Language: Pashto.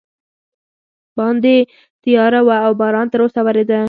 باندې تیاره وه او باران تراوسه ورېده.